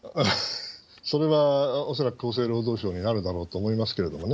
それは恐らく厚生労働省になるだろうと思いますけれどもね。